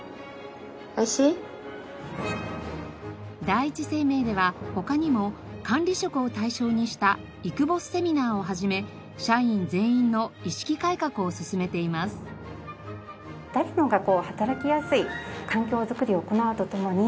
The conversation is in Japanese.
第一生命では他にも管理職を対象にしたイクボスセミナーを始め社員全員の意識改革を進めています。